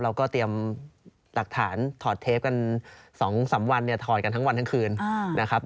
เราก็เตรียมหลักฐานถอดเทปกัน๒๓วันเนี่ยถอดกันทั้งวันทั้งคืนนะครับ